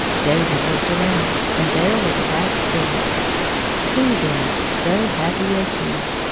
David looked around, and there were the back stairs. Who then so happy as he